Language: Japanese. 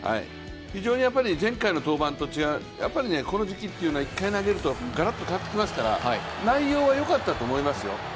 非常に前回の登板と違ってこの時期は一回投げるとがらっと変わってきますから内容はよかったと思いますよ。